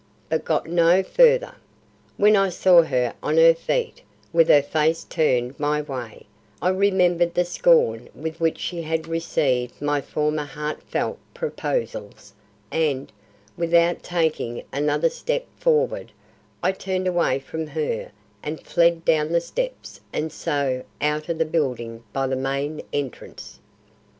But got no further. When I saw her on her feet, with her face turned my way, I remembered the scorn with which she had received my former heart felt proposals and, without taking another step forward, I turned away from her and fled down the steps and so out of the building by the main entrance.